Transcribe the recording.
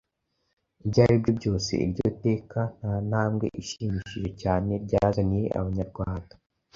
Ibyo aribyo byose Iryo teka nta ntambwe ishimishije cyane ryazaniye Abanyarwanda